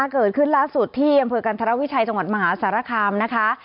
เกิดขึ้นล่าสุดที่อำเภอกันธรวิชัยจังหวัดมหาสารคามนะคะ